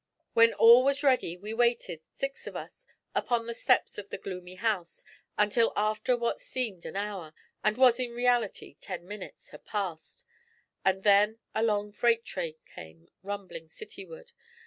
When all was ready we waited, six of us, upon the steps of the gloomy house, until after what seemed an hour, and was in reality ten minutes, had passed, and then a long freight train came rumbling cityward.